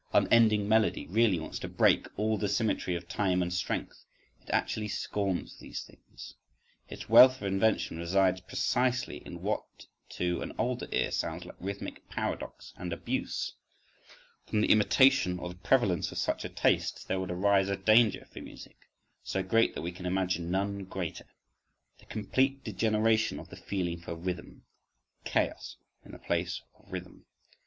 "Unending melody" really wants to break all the symmetry of time and strength; it actually scorns these things—Its wealth of invention resides precisely in what to an older ear sounds like rhythmic paradox and abuse. From the imitation or the prevalence of such a taste there would arise a danger for music—so great that we can imagine none greater—the complete degeneration of the feeling for rhythm, chaos in the place of rhythm.